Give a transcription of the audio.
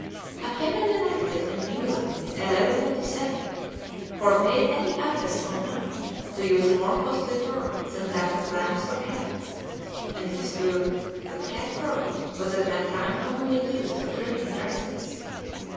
A canon enacted in England in 1127 forbade any abbess or nun to use more costly fur than that of lambs or cats, and it is proved that cat fur was at that time commonly used for trimming dresses.